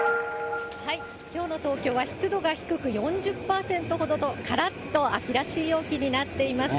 きょうの東京は湿度が低く、４０％ほどと、からっと秋らしい陽気になっています。